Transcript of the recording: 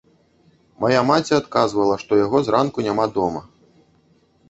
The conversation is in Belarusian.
Мая маці адказвала, што яго зранку няма дома.